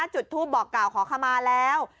จุดทูปบอกกล่าวขอขมาแล้ว